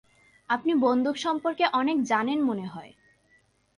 আপনি বন্দুক সম্পর্কে অনেক জানেন মনে হয়।